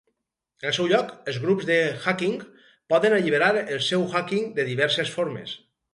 En el seu lloc, els grups de "hacking" poden alliberar el seu "hacking" de diverses formes.